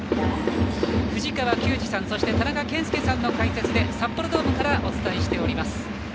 藤川球児さん、田中賢介さんの解説で札幌ドームからお伝えしています。